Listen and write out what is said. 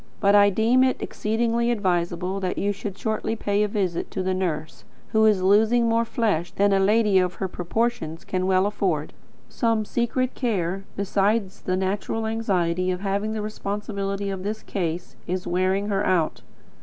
But I deem it exceedingly advisable that you should shortly pay a visit to the nurse, who is losing more flesh than a lady of her proportions can well afford. Some secret care, besides the natural anxiety of having the responsibility of this case, is wearing her out.